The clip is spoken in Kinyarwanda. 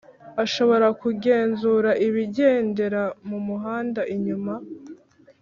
ashobora kugenzura ibigendera mu muhanda inyuma